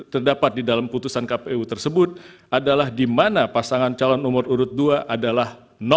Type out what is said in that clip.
terdapat di dalam putusan kpu tersebut adalah di mana pasangan calon nomor urut dua adalah